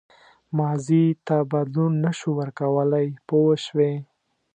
ماضي ته بدلون نه شو ورکولای پوه شوې!.